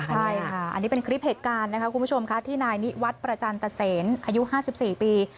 ใช่ค่ะอันนี้เป็นคลิปเหตุการณ์นะคะคุณผู้ชมค่ะที่นายนิวัฒน์ประจันตเซนอายุ๕๔ปี